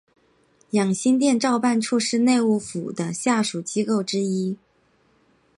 养心殿造办处是内务府的下属机构之一。